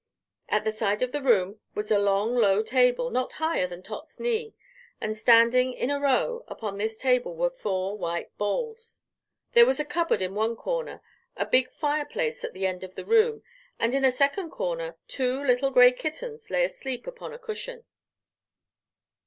At the side of the room was a long, low table, not higher than Tot's knee, and standing in a row upon this table were four white bowls. There was a cupboard in one corner, a big fireplace at the end of the room, and in a second corner two little gray kittens lay asleep upon a cushion.